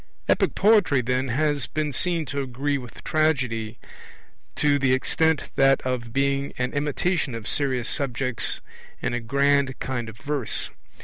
Epic poetry, then, has been seen to agree with Tragedy to this extent, that of being an imitation of serious subjects in a grand kind of verse.